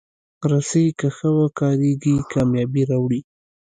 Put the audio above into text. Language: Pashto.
رسۍ که ښه وکارېږي، کامیابي راوړي.